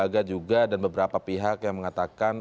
ada sebuah lembaga juga dan beberapa pihak yang mengatakan